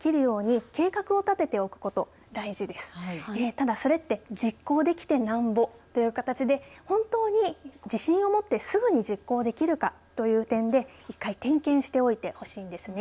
ただそれって実行できて、なんぼという形で本当に自信をもってすぐに実行できるかという点で１回点検しておいてほしいんですね。